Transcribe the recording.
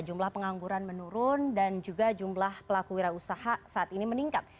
jumlah pengangguran menurun dan juga jumlah pelaku wira usaha saat ini meningkat